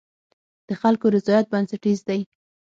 د خلکو رضایت بنسټیز دی.